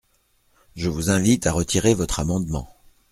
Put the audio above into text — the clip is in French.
Je vous invite à retirer votre amendement.